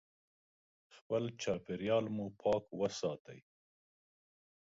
خپل چاپیریال مو پاک وساتئ.